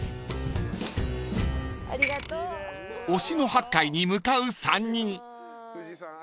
［忍野八海に向かう３人］